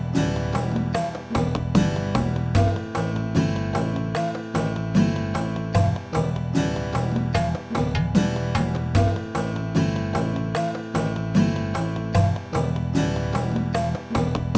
terima kasih ya pak